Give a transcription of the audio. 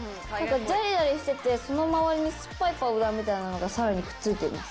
ジャリジャリしててその周りに酸っぱいパウダーみたいなのがさらにくっついています。